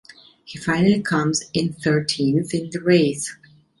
He finally comes in thirteenth in the race.